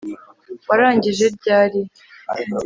Warangije ryari